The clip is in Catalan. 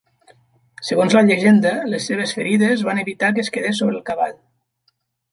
Segons la llegenda, les seves ferides van evitar que es quedés sobre el cavall.